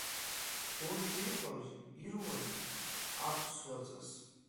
Урҭ ирҳәоз-ируаз аԥсуаҵас.